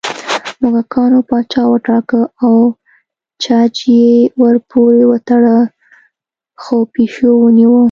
موږکانو پاچا وټاکه او چج یې ورپورې وتړه خو پېشو ونیوه